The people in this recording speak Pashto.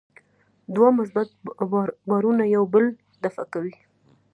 دوه مثبت بارونه یو بل دفع کوي.